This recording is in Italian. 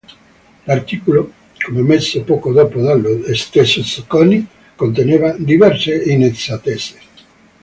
L'articolo, come ammesso poco dopo dallo stesso Zucconi, conteneva diverse inesattezze.